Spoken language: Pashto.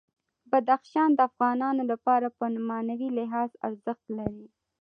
بدخشان د افغانانو لپاره په معنوي لحاظ ارزښت لري.